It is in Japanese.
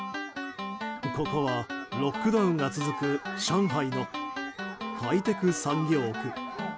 ここはロックダウンが続く上海のハイテク産業区。